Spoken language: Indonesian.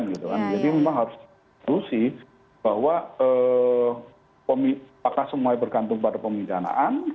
jadi memang harus dikonsumsi bahwa apakah semuanya bergantung pada pemidanaan